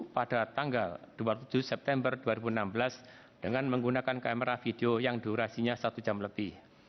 pada tanggal dua puluh tujuh september dua ribu enam belas dengan menggunakan kamera video yang durasinya satu jam lebih